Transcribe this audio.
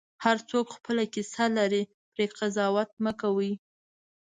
هر څوک خپله کیسه لري، پرې قضاوت مه کوه.